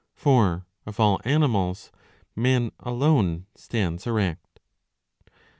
For, of all animals, man alone stands erect.'''